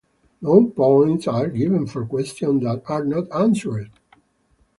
No points are given for questions that are not answered.